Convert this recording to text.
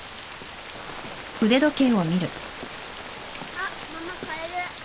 ・あっママカエル。